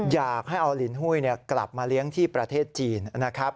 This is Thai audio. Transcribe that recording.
อยากให้เอาลินหุ้ยกลับมาเลี้ยงที่ประเทศจีนนะครับ